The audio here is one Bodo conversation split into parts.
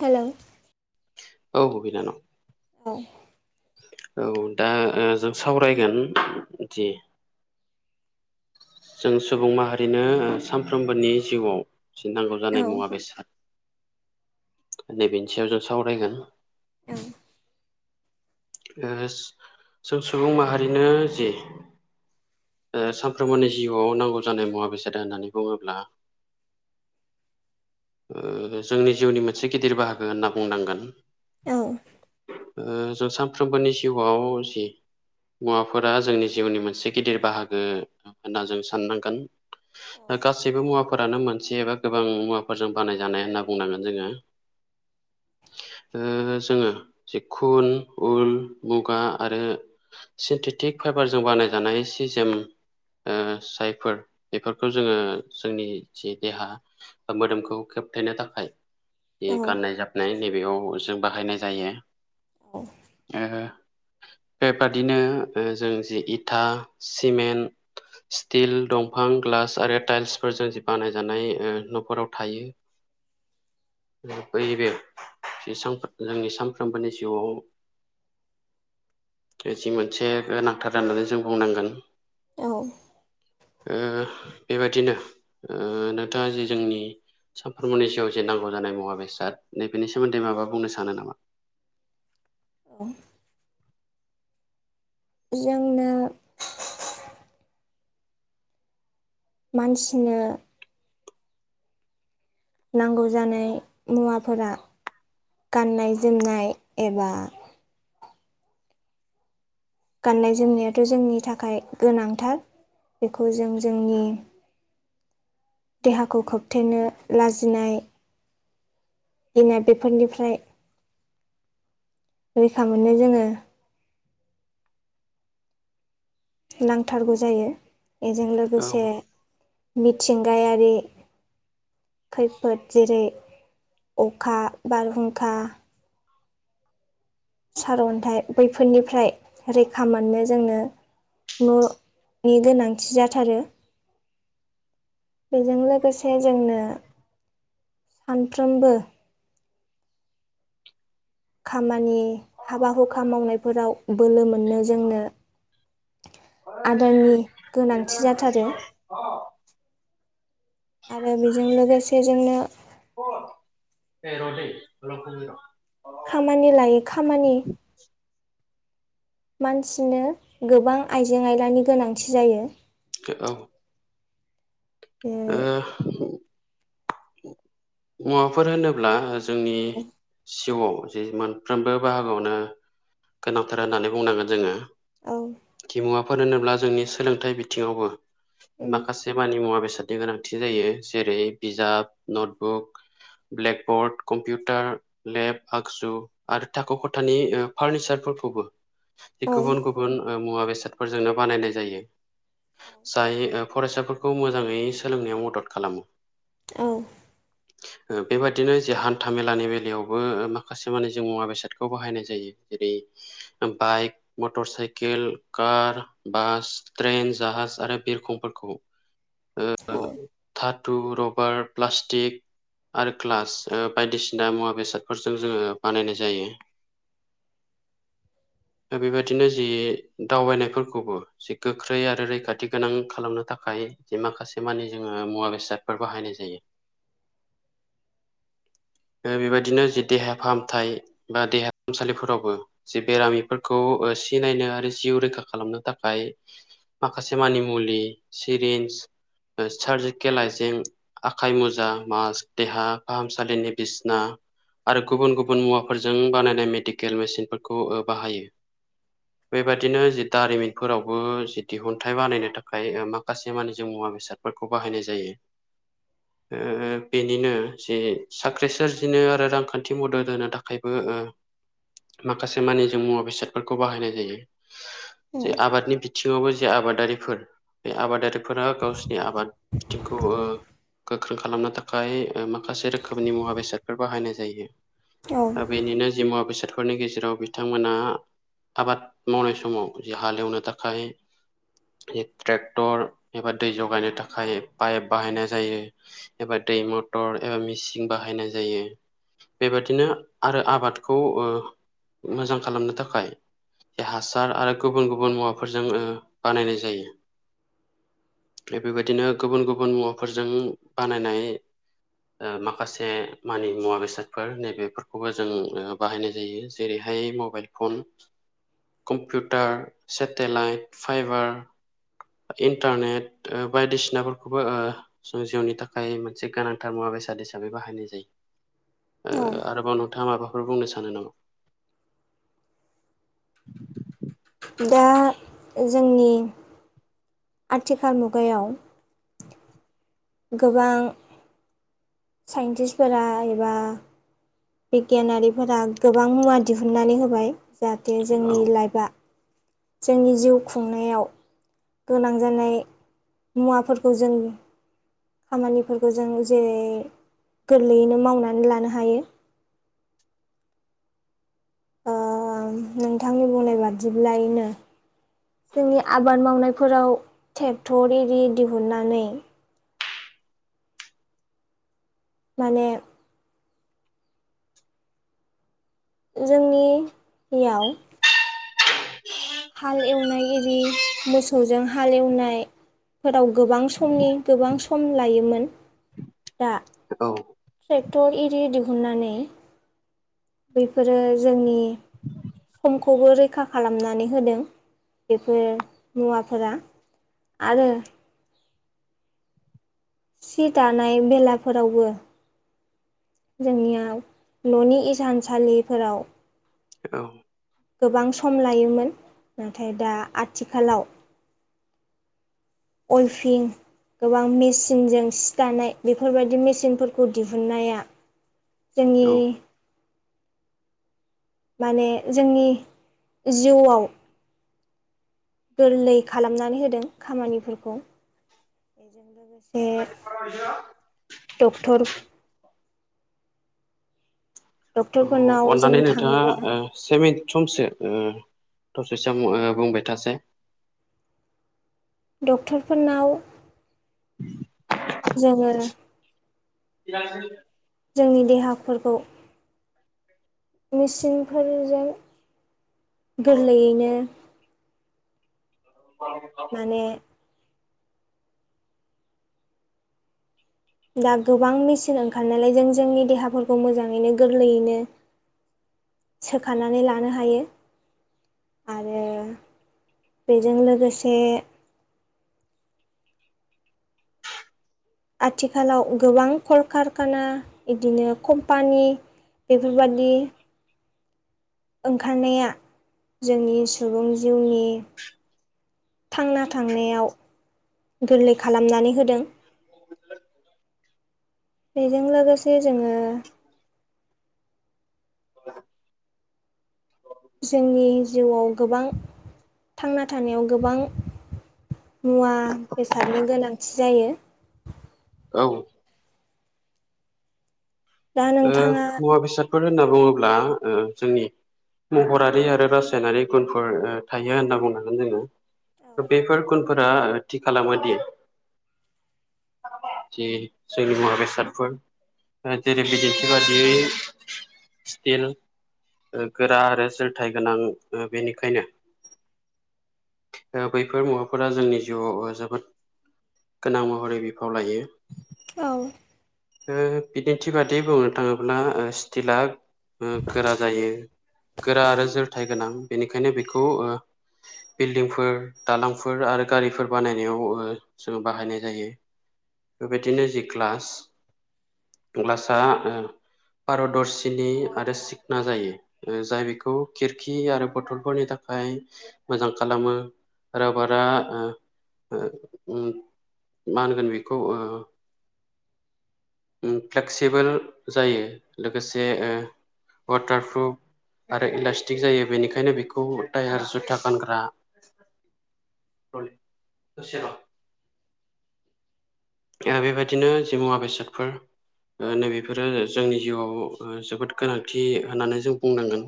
हेलौ औ बिनानाव [inaudible] औ दा जों सावरायगोन दि। जों सुबुं माहारिनो सानफ्रोमबोनि जिउआव। नांगौ जानाय औ मुवा बेसाद नैबनि सायाव जों सावरायगोन। औ जों सुबुं माहारिनो जि। सानफ्रोमबोनि जिउआव नांगौ जानाय मुवा बेसादा होननानै बुङोब्ला। जोंनि जिउनि मोनसे गिदिर बाहागो होनना बुंनांगोन। औ जों सानफ्रोमबोनि जिउआव जि मुवाफोरा जोंनि जिउनि मोनसे गिदिर्। बाहागो होनना जों साननांगोन गासैबो मुवाफोर। आनो मोनसे एबा गोबां मुवाफोरजों बानाय जानाय होनना बुंनांगोन जोङो। जोङो खुन उल मुगा आरो। फटिक फाइबारजों बानायजानाय सि जेम ओ जायफोर बेफोरखौ जोङो जोंनि जि देहा बा मोदोमखौे होबथायनो थाखाय बे औ गाननाय जाबनाय नैबेयाव जों बाहायनाय जायो औ ओ बेबादिनो जों जि इथा सिमेन्ट स्टिल दंफां ग्लास आरो टाइल्सफोरजों जि बानायजानाय न'खराव थायो [inaudible] बैबे जोंनि सानफ्रोमबोनि जिउआव जि मोनसे गोनांथार होननानै जों बुंनांगोन औ [unintelligible] ओ बेबादिनो नोंथाङा जि जोंनि सानफ्रोमबोनि जिउआव जे नांगौ जानाय मुवा बेसाद नैबेनि सोमोन्दै माबा बुंनो सानो नामा [inaudible] औ [inaudible] जोंनो [inaudible] मानसिनो नांगौ जानाय मुवाफोरा गाननाय जोमनाय एबा गाननाय जोमनायाथ' जोंनि थाखाय गोनांथार बेखौ जों जोंनि देहाखौ खोबथेनो लाजिनाय इनाय बेफोरनिफ्राय रैखा मोनो जोङो नांथारगौ जायो बेजों लोगोसे मिथिंगायारि खैफोद जेरै अखा बारहुंखा सारअन्थाइ बैफोरनिफ्राय रैखा मोननो जोंनो न'नि गोनांथि जाथारो बेजों लोगोसे जोंनो सानफ्रोमबो खामानि हाबा हुखा मावनायफोराव बोलो मोनो जोंनो आदारनि गोनांथि जाथारो [inaudible] आरो बेजों लोगोसे जोंनो [inaudible] खामानि लायो खामानि मानसिनो गोबां आइजें आइलानि गोनांथि जायो औ जेरै ओ मुवाफोर होनोब्ला जोंनि औ जिवाव जि मोनफ्रोमबो बाहागोआवनो गोनांथार होननानै बुंनांगोन जोङो औ फोर होनोब्ला जोंनि सोलोंथाइ बिथिङावबो माखासे बानि मुवा बेस बेसादनि गोनांथि जायो जेरै बिजाब नटबुक ब्लेकबर्ड कम्पिउटार लेब आगजु आरो थाखो खथानि फार्निचारफोर खौबो औ गुबुन गुबुन मुवा बेसादफोरजोंनो बानायनाय जायो जाय फरायसाफोरखौ मोजाङै सोलोंनायाव मदद खालामो औ [inaudible] बेबादिनो जे हान्था मेलानि बेलायावबो माखासे माने जों मुवा बेसादखौ बाहायनाय जायो जेरै bike motor cycle car bus train जाहाज आरो बिरखं फोरखौ औ ओ थाथु रबार प्लास्टिक आरो क्लास बायदिसिना मुवा बेसादफोरजों जोङो बानायनाय जायो [inaudible] दा बेबायदिनो जि दावबायनायफोरखौबो जि गोख्रै आरो रैखाथि गोनां खालामनो थाखाय माखासे मानिे जोङो मुवा बेसादफोर बाहायनाय जायो बेबायदिनो जि देहा फाहामथाय बा देहा फाहामसालिफोरावबो जे बेरामिफोरखौ सिनायनो आरो जिउ रैखा खालामनो थाखाय माखासे मानि मुलि सिरिन्स सार्जिकेल आइजें आखाइ मुजा मास देहा फाहामसालिनि बिसना आरो गुबुन गुबुन मुवाफोरजों बानायनाय मेडिकेल मेसिि [unintelligible] नफोरखौ बाहायो बेबायदिनो जि दारिमिनफोरावबो जि दिहुनथाइ बानायनो थाखाय माखासे माने जों मुवा ब [inaudible] बेनिनो जे साख्रि सोरजिनो आरो रांखान्थि मदद होनो थाखायबो माखासे मानिजों मुवा बेसाद [unintelligible] आबाद बिथिंखौ [unintelligible] माखासे रोखोमनि मुवा बेसादफोर बाहायनाय जायो औ बेनिनो जि मुवा बेसाद फोरनि गेजेराव बिथांमोना आबाद मावनाय समाव जे हालेवनो थाखाय ट्रेक्टर एबा दै जगायनो थाखाय पाइप बाहायनाय जायो एबा दै मटर एबा मेचिन बाहायनाय जायो बेबादिनो आरो आबादखौ ओ मोजां खालामनो थाखाय हासार आरो गुबुन गुबुन मुवाफोरजों ओ बानायनाय जायो बेबायदिनो गुबुन गुबुन मुवाफोरजों बानायनाय ओ माखासे मानि मुवा बेसादफोर नैबेफोरखौबो जों बाहायनाय जायो जेरैहाय mobile phone computer satellite fibre internet बायदिसिनाफोरखौबो जों जिउनि थाखाय मोनसे गोनांथार मुवा बेसाद हिसाबै बाहायनाय औ जायो आरोबाव नोंथाङा माबा फोर बुंनो सानो नामा दा जोंनि आथिखाल मुगायाव गोबां साइन्टिस्टफोरा एबा बिगियानारिफोरा गोबां मुवा दिहुननानै होबाय जाहाथे औ जोंनि लाइफआ जोंनि जिउ खुंनायाव गोनां जानाय मुवाफोरखौ जों खामानिफोरखौ जों जेरै गोरलैयैनो मावनानै लानो हायो [inaudible] ओ नोंथांनि बुंनाय बिदिब्लायैनो जोंनि आबाद मावनायफोराव ट्रेक्टर एरि दिहुननानै माने जोंनियाव हाल एवनाय एरि मोसौजों हाल एवनायफोराव गोबां समनि गोबां सम लायोमोन दा औ ट्रेक्टर आररि दिहुननानै बेफोरो जोंनि समखौबो रैखा खालामनानै होदों बेफोर मुवाफोरा आरो सि दानाय बेलाफोरावबो जोंनियाव न'नि इसानसालिफोराव औ गोबां सम लायोमोन नाथाय दा आथिखालाव अलफिं गोबां मेचिनजों सि दानाय बेफोरबायदि मेचिनफोरखौ दिहुननाया जोंनि औ माने जोंनि जिउआव गोरलै खालामनानै होदों खामानिफोरखौ जों लोगोसे औ दक्टर डक्टरफोरनाव जों अन्नानै नोंथाङा थाङोब्ला ओ से मि समसो ओ थसे सम बुंबाय थासाय डक्टरफोरनाव जोङो [unintelligible] जोंनि देहाफोरखौ मेचिनफोरजों गोरलैयैनो [unintelligible] माने दा गोबां मेचिन ओंखारनायालाय जों जोंनि देहाफोरखौ मोजाङैनो गोरलैयैनो सोखानानै लानो हायो। आरो बेजों लोगोसे आथिखालाव गोबां खलकारखाना बिदिनो कम्पानि बेफोरबादि ओंखारनाया जोंनि सुबुं जिउनि थांना थांनायाव गोरलै खालामनानै होदों बेजों लोगोसे जोङो [inaudible] [unintelligible] जोंनि जिउआव गोबां थांना थानायाव गोबां मुवा बेसादनि गोनांथि जायो औ दा ओ नोंथाङा मुवा बेसादफोर होनना बुङोब्ला ओ जोंनि महरारि आरो रासायनारि गुनफोर ओ थायो होनना बुंनांगोन जोङो। बेफोर गुनफोरा थि खालामोदि जे जोंनि मुवा बेसादफोर जेरै बिदिन्थि बादियै स्टिल गोरा आरो सोरोलथायाइ गोनां बेनिखायनो बैफोर मुवाफोरा जोंनि जिउआव जोबोद गोनां महरै बिफाव लायो। औ बिदिन्थि बादि बुंनो थाङोब्ला ओ स्टिला ओ गोरा जायो। गोरा आरो जोरथाय गोनां बेनिखायनो बेखौ ओ बिल्डिंफोर दालांफोर आरो गारिफोर बानायनायाव ओ जों बाहायनाय जायो। बेबायदिनो जि ग्लास ग्लासा ओ पारदरसिनि आरो सिखना जायो जाय बेखौ खिरखि आरो बथलफोरनि थाखाय थाखाय मोजां खालामो रबारा ओ ओ ओम मा होनगोन बेखौ ओ फ्लेक्सिबोल जायो लोगोसे ओ वाटारप्रुफ आरो इलास्टिक जायो बेनिखायनो बेखौ टायार जुथा गानग्रा [unintelligible] बेबायदिनो जि मुवा बेसादफोर नैबेफोरो जोंनि जिउआव जोबोद गोनांथि होननानै जों बुंनांगोन।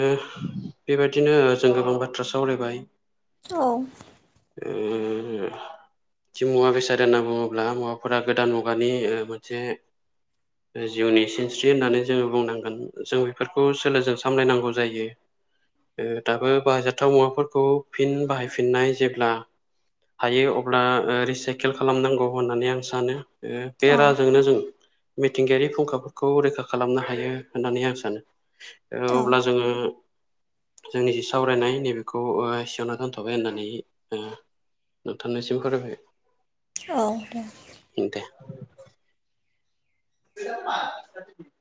ओह बेबायदिनो जों गोबां बाथ्रा सावरायबाय। औ [unintelligible] जि मुवा बेसाद होनना बुङोब्ला मुवाफोरा गोदान मुगानि ओ मोनसे जिउनि सिनस्रि होननानै जोङो बुंनांगोन जों बेफोरखौ सोलोजों सामलायनांगौ जायो। दाबो बायजाथाव मुवाफोरखौ फिन बाहायफिननाय जेब्ला हायो अब्ला रिसाइकेल खालामनांगौ होननानै आं सानो बे औ राजोंनो जों मिथिंगायारि फुंखाफोरखौ रैखा खालामनो हायो होननानै आं सानो। औ अब्ला जोङो जोंनि जि सावरायनाय नैबेखौ ओ एसेयावनो दोनथ'बाय होननानै ओ नोंथांनिसिम फरायबाय औ दे [unintelligible]